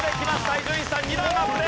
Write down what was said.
伊集院さん２段アップです。